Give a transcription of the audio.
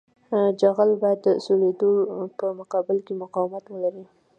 جغل باید د سولېدو په مقابل کې مقاومت ولري